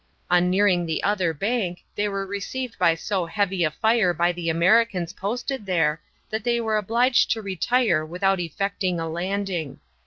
On nearing the other bank, they were received by so heavy a fire by the Americans posted there that they were obliged to retire without effecting a landing.